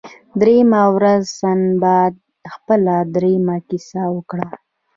دریمه ورځ سنباد خپله دریمه کیسه وکړه.